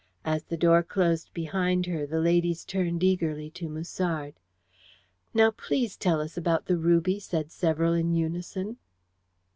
As the door closed behind her the ladies turned eagerly to Musard. "Now, please, tell us about the ruby," said several in unison.